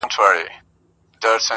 نن محتسب له خپل کتابه بندیز ولګاوه-